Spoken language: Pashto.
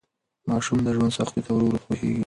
ماشوم د ژوند سختیو ته ورو ورو پوهیږي.